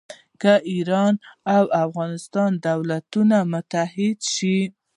که ایران او افغانستان دولتونه متحد شي.